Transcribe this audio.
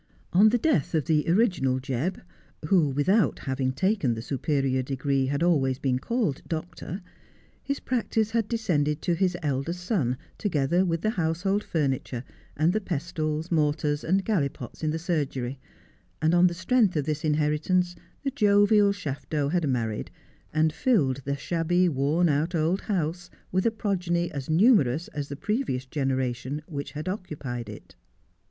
On the death of the original Jebb — who, without having taken the superior degree, had been always called doctor— his practice had descended to bis eldest son, together with the household furniture, and the pestles, mortars and galli pots in the surgery ; and on the strength of this inheritance the jovial Shafto had married, and filled the shabby, worn out old house with a progeny as numerous as the previous generation which had occupied it.